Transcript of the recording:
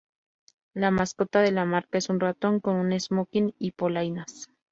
La mascota de la marca es un ratón con un esmoquin y polainas.